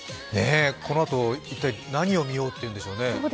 このあと、一体何を見ようっていうんでしょうね。